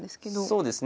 そうですね。